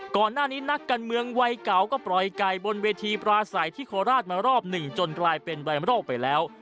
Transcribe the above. ก่อนหน้านี้นักการเมืองวัยเก่าก็ปล่อยไก่บนเวทีปราศัยที่โคราชมารอบหนึ่งจนกลายเป็นไวรัลไปแล้ว